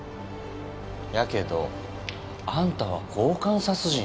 やけどあんたは強姦殺人たい。